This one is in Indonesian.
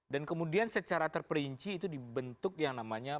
dan kemudian secara terperinci itu dibentuk yang namanya